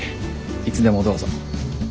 いつでもどうぞ。